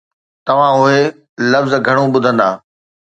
توهان اهي لفظ گهڻو ٻڌندا